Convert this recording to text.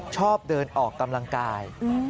ชอบเดินออกกำลังกาย